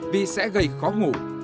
vì sẽ gây khó ngủ